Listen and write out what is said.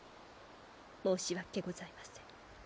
申し訳ございません。